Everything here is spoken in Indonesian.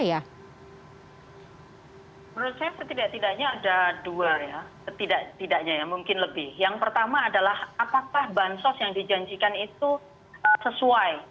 yang pertama adalah apakah bantuan sosial yang dijanjikan itu sesuai